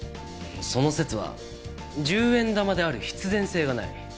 その説は１０円玉である必然性がない。